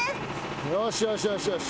よしよしよしよし。